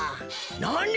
なに！？